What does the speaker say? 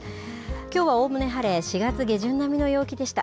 きょうは、おおむね晴れ４月下旬並みの陽気でした。